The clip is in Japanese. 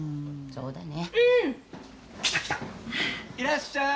そうだね。